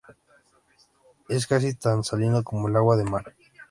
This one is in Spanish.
Es casi tan salino como el agua de mar.